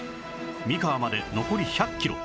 三河まで残り１００キロ